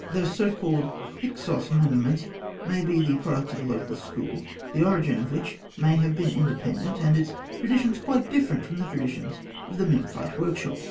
Those so called Hyksos monuments may be the products of a local school, the origin of which may have been independent, and its traditions quite different from the traditions of the Memphite workshops.